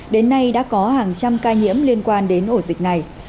đến nay đã có hàng trăm ca nhiễm liên quan đến ổ dịch này